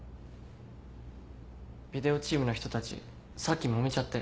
ビデオチームの人たちさっきもめちゃって。